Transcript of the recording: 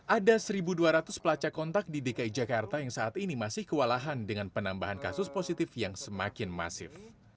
ada satu dua ratus pelacak kontak di dki jakarta yang saat ini masih kewalahan dengan penambahan kasus positif yang semakin masif